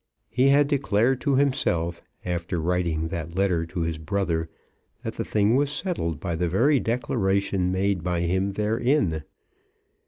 He had declared to himself, after writing that letter to his brother, that the thing was settled by the very declaration made by him therein.